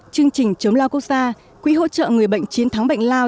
chương trình chống lao quốc gia quỹ hỗ trợ người bệnh chiến thắng bệnh lao